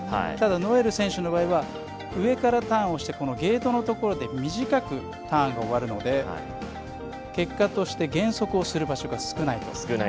ただ、ノエル選手の場合は上からターンをしてゲートのところで短くターンが終わるので結果として減速をする場所が少ないんです。